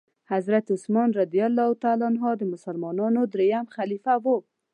حضرت عثمان رضي الله تعالی عنه د مسلمانانو دريم خليفه وو.